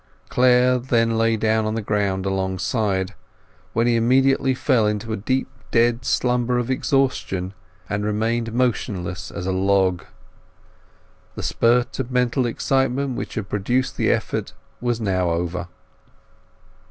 Clare then lay down on the ground alongside, when he immediately fell into the deep dead slumber of exhaustion, and remained motionless as a log. The spurt of mental excitement which had produced the effort was now over.